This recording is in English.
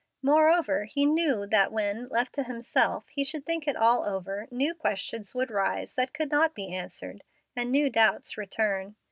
Moreover, he knew that when, left to himself, he should think it all over, new questions would rise that could not be answered, and new doubts return.